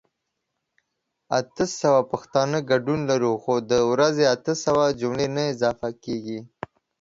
اته سوه پښتانه ګډون لرو خو دا ورځې اته سوه جملي نه اضافه کيږي